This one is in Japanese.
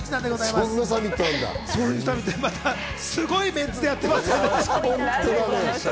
またすごいメンツでやってますが。